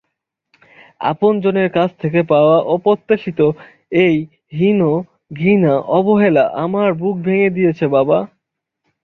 আপন জনের কাছ থেকে পাওয়া অপ্রত্যাশিত এই হীন ঘৃণা, অবহেলা আমার বুক ভেঙ্গে দিয়েছে বাবা!